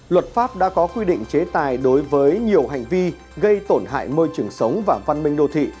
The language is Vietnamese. luật pháp đã có quy định chế tài đối với nhiều hành vi gây tổn hại môi trường sống và văn minh đô thị